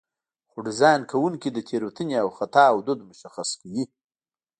خو ډیزاین کوونکي د تېروتنې او خطا حدود مشخص کوي.